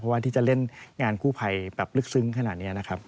ว่าที่จะเล่นงานกู้ภัยแบบลึกซึ้งขนาดนี้นะครับ